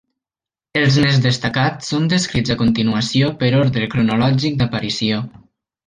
Els més destacats són descrits a continuació per ordre cronològic d'aparició.